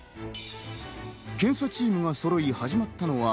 検査チームがそろい始まったのは